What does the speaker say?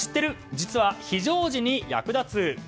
実は非常時に役立つ。